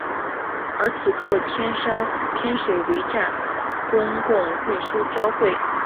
而此刻天水围站公共运输交汇处仍处于原封不动的荒废状态。